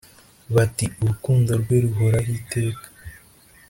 bati urukundo rwe ruhoraho iteka